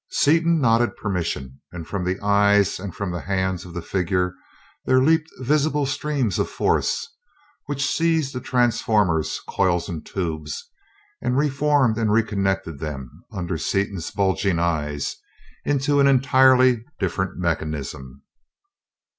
Seaton nodded permission, and from the eyes and from the hands of the figure there leaped visible streams of force, which seized the transformers, coils and tubes, and reformed and reconnected them, under Seaton's bulging eyes, into an entirely different mechanism.